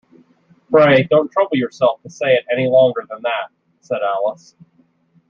‘Pray don’t trouble yourself to say it any longer than that,’ said Alice.